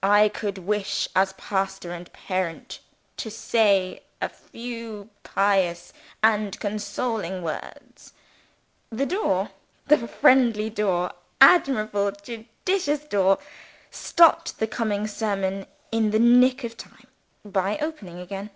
I could wish, as pastor and parent, to say a few pious and consoling words " The door the friendly, admirable, judicious door stopped the coming sermon, in the nick of time, by opening again.